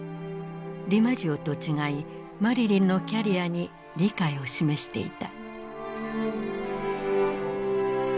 ディマジオと違いマリリンのキャリアに理解を示していた。